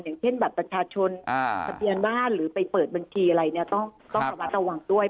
อย่างเช่นบัตรประชาชนทะเบียนบ้านหรือไปเปิดบัญชีอะไรเนี่ยต้องระมัดระวังด้วย